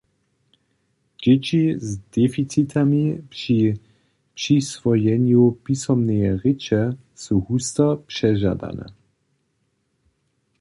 Dźěći z deficitami při přiswojenju pisomneje rěče su husto přežadane.